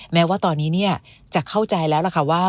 แม้ว่าตอนนี้จะเข้าใจแล้วว่า